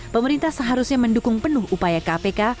pemerintah seharusnya mendukung penuh upaya kpk